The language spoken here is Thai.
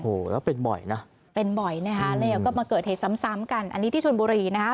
โอ้โหแล้วเป็นบ่อยนะเป็นบ่อยนะคะแล้วก็มาเกิดเหตุซ้ำซ้ำกันอันนี้ที่ชนบุรีนะคะ